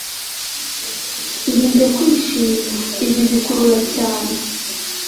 irinde kwishima, izi zikurura cyane